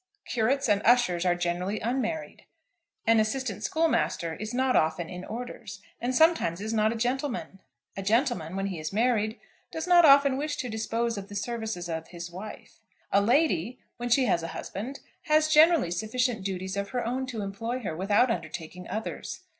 Curates and ushers are generally unmarried. An assistant schoolmaster is not often in orders, and sometimes is not a gentleman. A gentleman, when he is married, does not often wish to dispose of the services of his wife. A lady, when she has a husband, has generally sufficient duties of her own to employ her, without undertaking others.